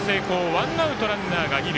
ワンアウト、ランナーが二塁。